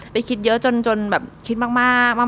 ไปคิดเยอะจนแบบคิดมาก